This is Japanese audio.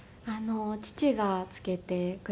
父が付けてくれて。